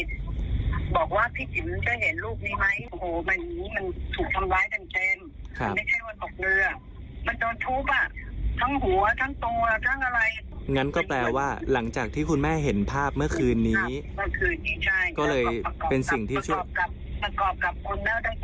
อย่างนั้นก็แปลว่าหลังจากที่คุณแม่เห็นภาพเมื่อคืนนี้ก็เลยเป็นสิ่งที่ชิ้นค่อ